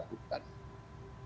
kalau tidak kita lakukan